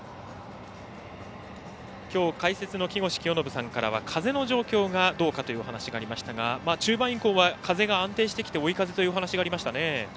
きょう解説の木越清信さんからは風の状況がどうかというお話がありましたが中盤以降は風が安定してきて追い風というお話がありましたね。